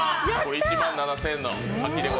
１万７０００円の。